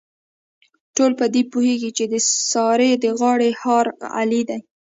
ټول په دې پوهېږي، چې د سارې د غاړې هار علي دی.